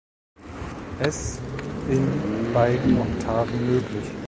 Es in beiden Oktaven möglich.